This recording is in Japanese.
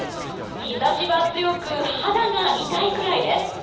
日差しは強く肌が痛いくらいです。